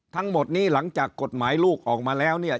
ทั้งหมดนี้หลังจากกฎหมายลูกออกมาแล้วเนี่ย